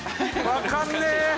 わかんねえ。